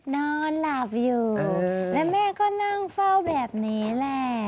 นอนหลับอยู่แล้วแม่ก็นั่งเฝ้าแบบนี้แหละ